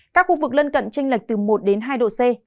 các khu vực lân cận tranh lệch từ một đến hai độ c